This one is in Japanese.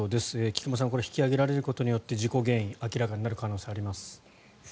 菊間さん引き揚げられることによって事故原因が明らかになる可能性があります。